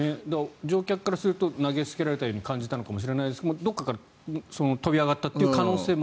乗客からすると投げつけられたように感じたのかもしれないですがどこからから飛び上がったという可能性も。